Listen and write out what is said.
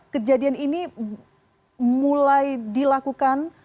kejadian ini mulai dilakukan